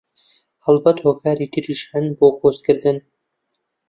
هەڵبەت هۆکاری تریش هەن بۆ کۆچکردن